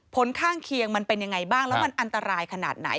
ผลข้างเคียงมันเป็นยังไงบ้างแล้วมันอันตรายขนาดไหน